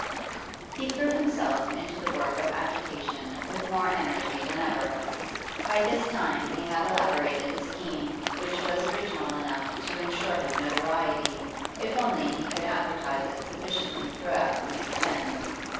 He threw himself into the work of agitation with more energy than ever. By this time he had elaborated a scheme which was original enough to ensure him notoriety if only he could advertise it sufficiently throughout the East End.